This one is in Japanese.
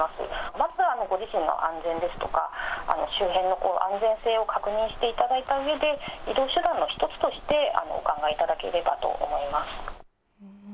まずはご自身の安全ですとか、周辺の安全性を確認していただいたうえで、移動手段の一つとして、お考えいただければと思います。